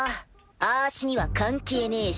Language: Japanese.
あしには関係ねぇし。